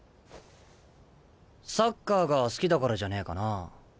サッカーが好きだからじゃねえかな。